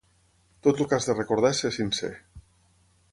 Tot el que has de recordar és ser sincer.